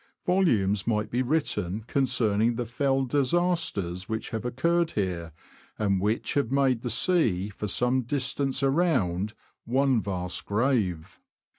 Volumes might be written concerning the fell disasters which have occurred here, and which have made the sea for some distance around one vast grave.